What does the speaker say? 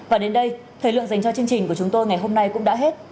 và đến đây thời lượng dành cho chương trình của chúng tôi ngày hôm nay cũng đã hết